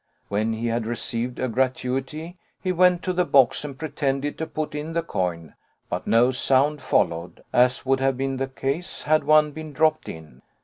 When he had received a gratuity, he went to the box, and pretended to put in the coin, but no sound followed, as would have been the case had one been dropped in.